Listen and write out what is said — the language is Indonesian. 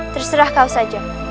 terserah kau saja